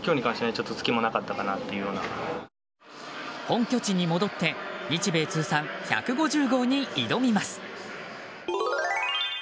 本拠地に戻って日米通算１５０号に挑みます。